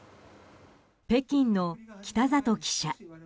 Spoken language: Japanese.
北京の北里記者。